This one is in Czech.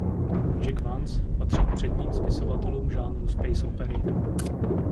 Jack Vance patří k předním spisovatelům žánru space opery.